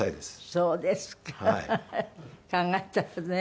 そうですね。